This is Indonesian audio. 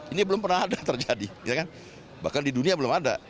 ini belum pernah ada terjadi bahkan di dunia belum ada